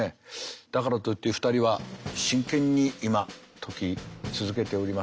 だからといって２人は真剣に今解き続けております。